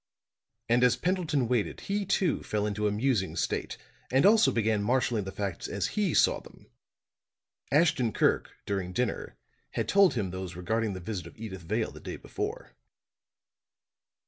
And as Pendleton waited he, too, fell into a musing state and also began marshaling the facts as he saw them. Ashton Kirk, during dinner, had told him those regarding the visit of Edyth Vale the day before.